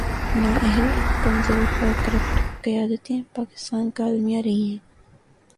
نا اہل‘ کمزور اور کرپٹ قیادتیں پاکستان کا المیہ رہی ہیں۔